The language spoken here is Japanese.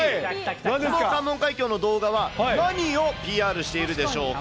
この関門海峡の動画は何をＰＲしているでしょうか。